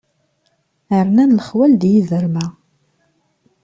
Rnan lexwal d yiderma.